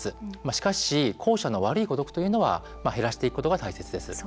しかし、後者の悪い孤独は減らしていくことが大切です。